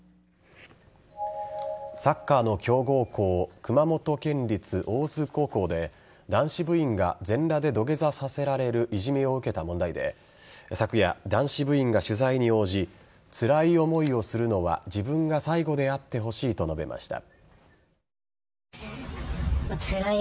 サッカーの強豪校熊本県立大津高校で男子部員が全裸で土下座させられるいじめを受けた問題で昨夜、男子部員が取材に応じつらい思いをするのは自分が最後であってほしいと述べました。